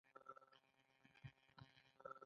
دوی څلور نور ساعتونه د پانګوال لپاره کار کاوه